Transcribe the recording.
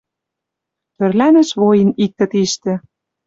Тӧрлӓнӹш воин иктӹ тиштӹ